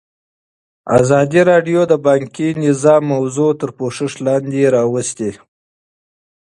ازادي راډیو د بانکي نظام موضوع تر پوښښ لاندې راوستې.